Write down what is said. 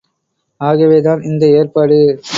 ஆகவேதான் இந்த ஏற்பாடு.